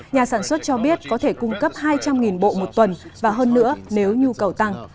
nhà sản xuất cho biết có thể cung cấp hai trăm linh bộ một tuần và hơn nữa nếu nhu cầu tăng